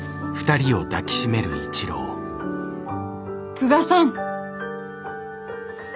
久我さん。